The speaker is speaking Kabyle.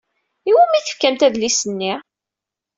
I wumi i tefkamt adlis-nni?